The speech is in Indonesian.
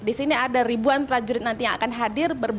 disini ada ribuan prajurit nanti yang akan hadir disini dengan gratis